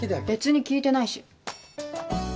別に聞いてないし。